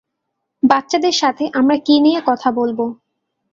বাচ্চাদের সাথে আমরা কী নিয়ে কথা বলবো?